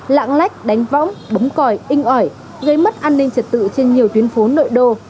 lạng lách đánh võng bấm còi inh ỏi gây mất an ninh trật tự trên nhiều tuyến phố nội đô